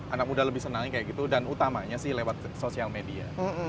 anak muda lebih senangnya dan utamanya lewat sosial media